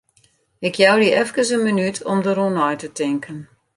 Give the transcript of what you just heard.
Ik jou dy efkes in minút om dêroer nei te tinken.